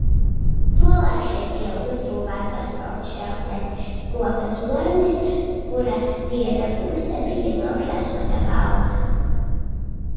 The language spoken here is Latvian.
Tolaik šeit bija uzbūvēts astoņšķautnains koka tornis, kura viena puse bija nokrāsota balta.